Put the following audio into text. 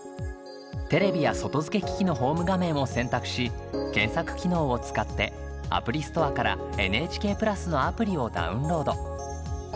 テレビや外付け機能のホーム画面を選択し検索機能を使ってアプリストアからＮＨＫプラスのアプリをダウンロード。